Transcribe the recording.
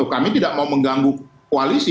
kami tidak mau mengganggu koalisi